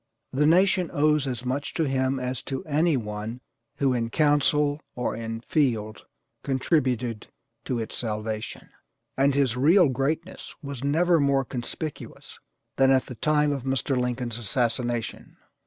The nation owes as much to him as to any one who in council or in field contributed to its salvation. And his real greatness was never more conspicuous than at the time of Mr. Lincoln's assassination.